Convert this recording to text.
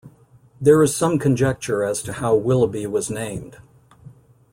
There is some conjecture as to how Willoughby was named.